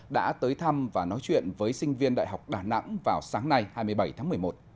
đã tới thăm và nói chuyện với sinh viên đại học đà nẵng vào sáng nay hai mươi bảy tháng một mươi một